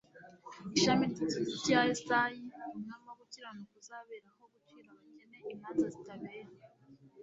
ishami ry'igishyitsi cya Yesayi Umwami wo gukiranuka uzaberaho "gucira abakene imanza zitabera,